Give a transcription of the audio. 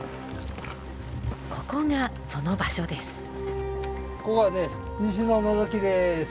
ここがその場所です。